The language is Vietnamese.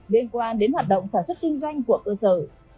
liên quan đến hoạt động sản xuất kinh doanh của cơ sở